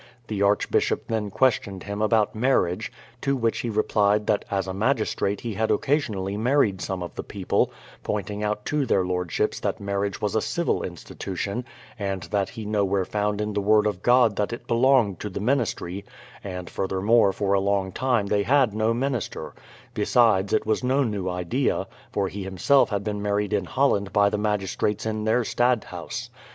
The Archbishop then questioned him about mar riage; to which he replied that as a magistrate he had occasionally married some of the people, pointing out to their Lordships that marriage was a civil institution, and that he nowhere found in the word of God that it belonged to the ministry, and furthermore for a long time they had no minister; besides, it was now no new idea, for he him self had been married in Holland by the magistrates in their Stadt house.